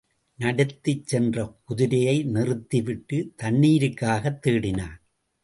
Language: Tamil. நடத்திச் சென்ற குதிரையை நிறுத்திவிட்டு, தண்ணீருக்காகத் தேடினான்.